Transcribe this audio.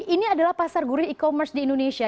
ini adalah pasar gurih e commerce di indonesia